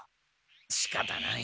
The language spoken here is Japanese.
しかたない。